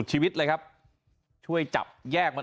มีภาพจากกล้อมรอบหมาของเพื่อนบ้าน